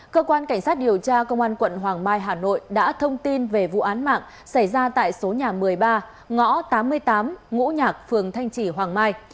cơ quan cảnh sát điều tra công an quận hoàng mai hà nội đã thông tin về vụ án mạng xảy ra tại số nhà một mươi ba ngõ tám mươi tám ngũ nhạc phường thanh chỉ hoàng mai